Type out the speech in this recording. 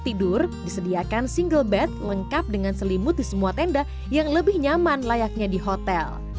tidur disediakan single bed lengkap dengan selimut di semua tenda yang lebih nyaman layaknya di hotel